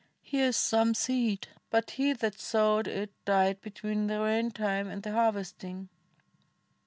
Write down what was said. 'Here is some seed, but he that sowed it died Between the rain time and the har\^esting